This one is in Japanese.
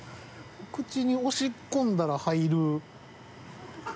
口に押し込んだら入る。